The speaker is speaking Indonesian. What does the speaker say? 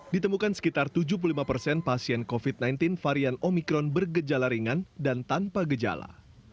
ditemukan sekitar tujuh puluh lima persen pasien covid sembilan belas varian omikron bergejala ringan dan tanpa gejala